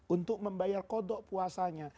untuk membayar kodok puasanya